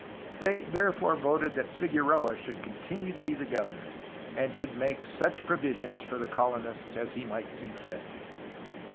They therefore voted that Figueroa should continue to be governor and should make such provision for the colonists as he might see fit.